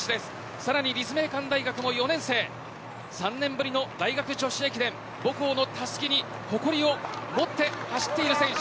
さらに立命館大学の４年生３年ぶりの大学女子駅伝母校のたすきに誇りを持って走っている選手